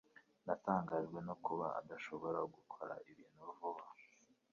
Natangajwe no kuba adashobora gukora ibintu vuba.